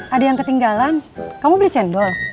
ada yang ketinggalan kamu beli cendol